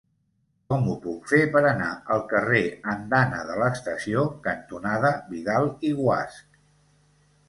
Com ho puc fer per anar al carrer Andana de l'Estació cantonada Vidal i Guasch?